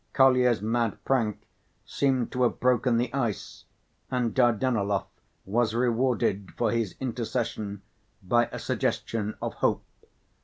Kolya's mad prank seemed to have broken the ice, and Dardanelov was rewarded for his intercession by a suggestion of hope.